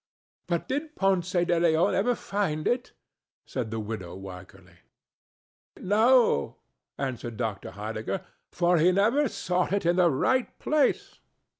"But did Ponce de Leon ever find it?" said the widow Wycherly. "No," answered Dr. Heidegger, "for he never sought it in the right place.